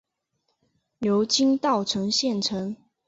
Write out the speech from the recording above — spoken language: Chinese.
流经稻城县城。